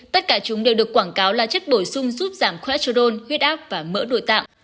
tất cả chúng đều được quảng cáo là chất bổ sung giúp giảm cholesterol huyết ác và mỡ đổi tạng